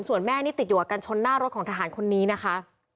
ส่วนแม่นี่ติดอยู่กับการชนหน้ารถของทหารคนนี้นะคะ